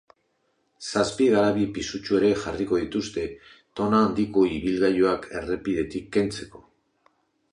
Zazpi garabi pisutsu ere jarriko dituzte, tona handiko ibilgailuak errepidetik kentzeko.